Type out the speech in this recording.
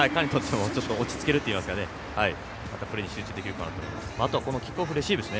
ちょっと落ち着けるといいますかまたプレーに集中できると思います。